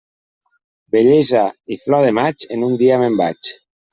Bellesa i flor de maig, en un dia me'n vaig.